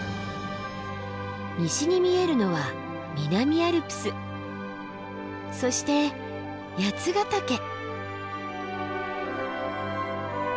西に見えるのは南アルプスそして八ヶ岳。